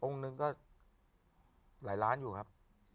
หนึ่งก็หลายล้านอยู่ครับ